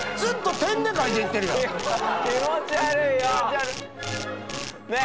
気持ち悪いよ！ねえ！